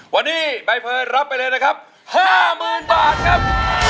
วันนี้ใบเพลินรับไปเลยนะครับ๕๐๐๐บาทครับ